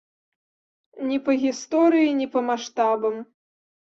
Не па гісторыі, не па маштабам.